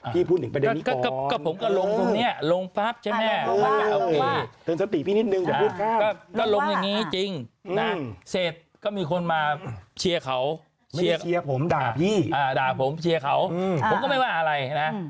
พี่พูดถึงประเด็นนี้ก่อนก็ผมก็ลงตรงเนี้ยลงฟับใช่ไหม